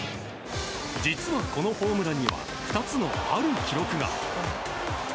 実は、このホームランには２つのある記録が。